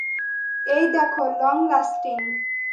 এই দেখো, long lasting.